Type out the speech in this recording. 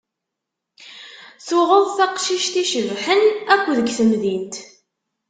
Tuɣeḍ taqcict icebḥen akk deg temdint.